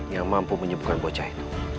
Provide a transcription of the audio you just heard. yang mampu menyebukkan bocah itu